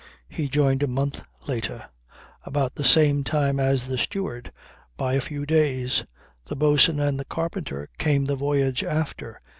He joined a month later about the same time as the steward by a few days. The bo'sun and the carpenter came the voyage after.